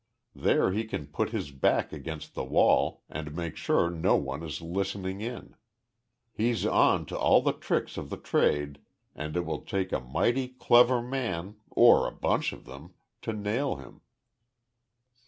There he can put his back against the wall and make sure that no one is listening in. He's on to all the tricks of the trade and it will take a mighty clever man or a bunch of them to nail him."